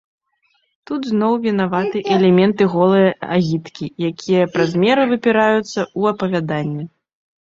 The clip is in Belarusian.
Тут зноў вінаваты элементы голае агіткі, якія праз меру выпіраюцца ў апавяданні.